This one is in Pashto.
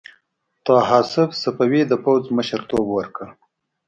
طاهاسپ صفوي د پوځ مشرتوب ورکړ.